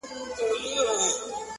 ستا څخه ډېر تـنگ”